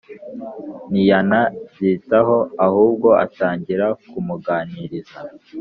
ntiyana byitaho ahubwo atangira kumuganiriza